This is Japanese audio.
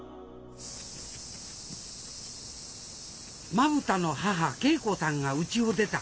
まぶたの母桂子さんがうちを出た。